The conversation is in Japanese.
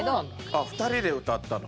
あっ２人で歌ったの？